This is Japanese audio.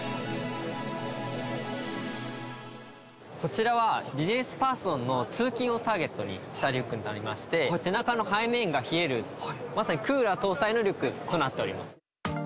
こちらはビジネスパーソンの通勤をターゲットにしたリュックになりまして、背中の背面が冷える、まさにクーラー搭載のリュックとなっております。